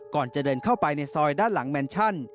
ก่อนจะเดินเข้าไปในซอยด้านหลังแมนชั่น